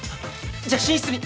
じゃあ寝室に。